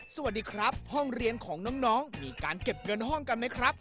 สวัสดีครับห้องเรียนของน้องมีการเก็บเงินห้องกันไหมครับ